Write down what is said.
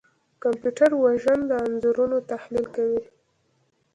کمپیوټر وژن د انځورونو تحلیل کوي.